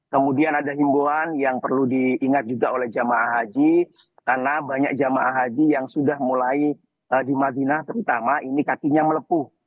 kemudian ada himbuan yang perlu diingat juga oleh jamaah haji karena banyak jamaah haji yang sudah mulai di madinah terutama ini kakinya melepuh